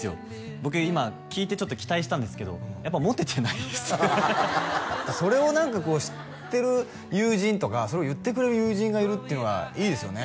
僕今聞いてちょっと期待したんですけどやっぱモテてないですそれを何かこう知ってる友人とかそれを言ってくれる友人がいるっていうのがいいですよね